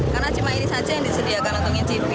karena cuma ini saja yang disediakan untuk ngincipi